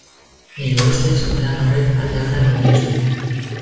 Nire ustez, lan horrek alde onak baino ez ditu.